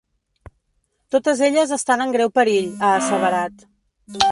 Totes elles estan en greu perill, ha asseverat.